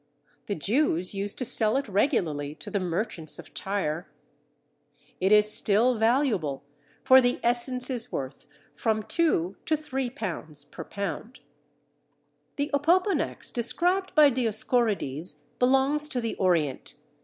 The Jews used to sell it regularly to the merchants of Tyre. It is still valuable, for the essence is worth from £2 to £3 per lb. The opoponax described by Dioscorides belongs to the Orient.